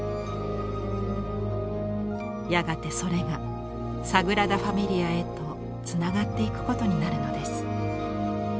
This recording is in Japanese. やがてそれがサグラダ・ファミリアへとつながっていくことになるのです。